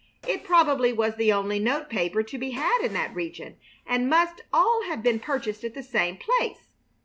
It probably was the only note paper to be had in that region, and must all have been purchased at the same place.